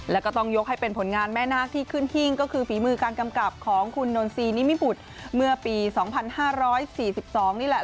แล้วก็ต้องยกให้เป็นผลงานแม่นาคที่ขึ้นหิ้งก็คือฝีมือการกำกับของคุณนนซีนิมิบุตรเมื่อปี๒๕๔๒นี่แหละ